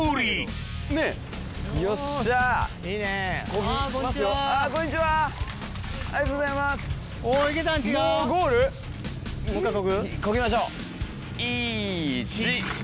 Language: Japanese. こぎましょう１！